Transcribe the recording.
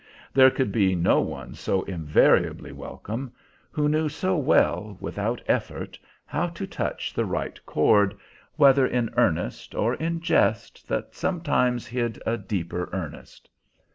There could be no one so invariably welcome, who knew so well, without effort, how to touch the right chord, whether in earnest or in jest that sometimes hid a deeper earnest.